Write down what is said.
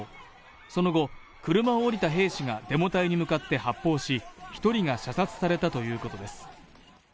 その後、車を降りた兵士がデモ隊に向かって発砲し１人が射殺されたということです。